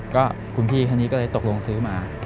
ก็คุณพี่ท่านนี้ก็เลยตกลงซื้อมา